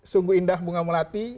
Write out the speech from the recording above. sungguh indah bunga melati